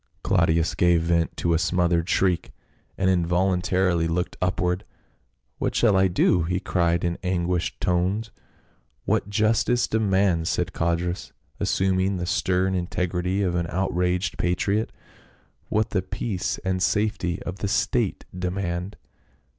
Claudius gave vent to a smothered shriek and in voluntarily looked upward. "What shall I do?" he cried in anguished tones. "What justice demands," said Codrus, assuming the stern integrity of an outraged patriot. " What the peace and safety of the state demand."